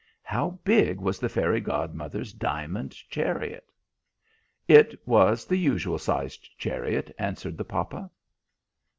How big was the fairy godmother's diamond chariot?" "It was the usual sized chariot," answered the papa.